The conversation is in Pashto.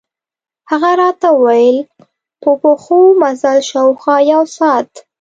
هغه راته ووېل په پښو مزل، شاوخوا یو ساعت.